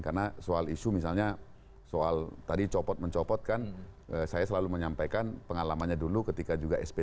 karena soal isu misalnya soal tadi copot mencopot kan saya selalu menyampaikan pengalamannya dulu ketika juga sp tiga keluar kan